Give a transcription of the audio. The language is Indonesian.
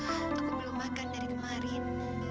aku belum makan dari kemarin